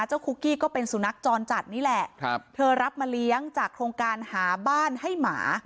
คุกกี้ก็เป็นสุนัขจรจัดนี่แหละครับเธอรับมาเลี้ยงจากโครงการหาบ้านให้หมา